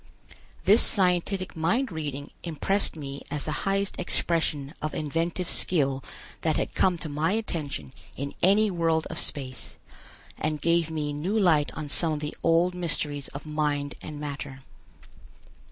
This scientific mind reading impressed me as the highest expression of inventive skill that had come to my attention in any world of space, and gave me new light on some of the old mysteries of mind and matter.